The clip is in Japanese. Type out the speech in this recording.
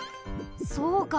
そうか！